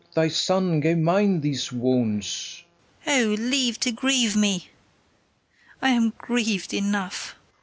thy son gave mine these wounds. KATHARINE. O, leave to grieve me! I am griev'd enough.